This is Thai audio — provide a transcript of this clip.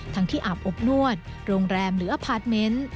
ที่อาบอบนวดโรงแรมหรืออพาร์ทเมนต์